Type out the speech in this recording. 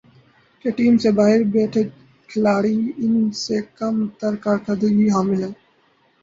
کہ ٹیم سے باہر بیٹھے کھلاڑی ان سے کم تر کارکردگی کے حامل ہیں ۔